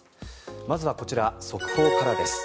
まずはこちら、速報からです。